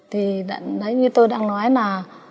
thì như tôi đang nói là